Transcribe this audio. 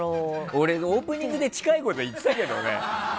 俺オープニングで近いこと言ってたけどね。